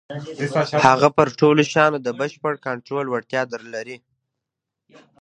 هغه پر ټولو شيانو د بشپړ کنټرول وړتيا لري.